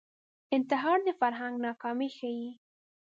انتحار د فرهنګ ناکامي ښيي